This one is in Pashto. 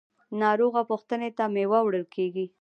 ناروغه پوښتنې ته میوه وړل کیږي.